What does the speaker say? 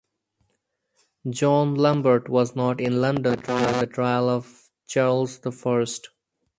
John Lambert was not in London for the trial of Charles the First.